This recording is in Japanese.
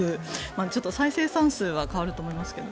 ちょっと再生産数は変わると思いますけど。